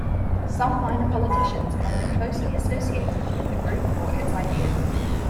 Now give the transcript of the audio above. Some minor politicians have been closely associated with the group or its ideas.